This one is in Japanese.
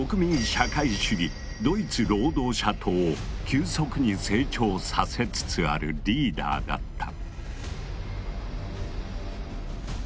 社会主義ドイツ労働者党を急速に成長させつつあるリーダーだった。